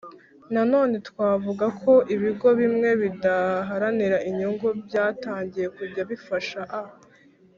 nanone twavuga ko ibigo bimwe bidaharanira inyungu byatangiye kujya bifasha a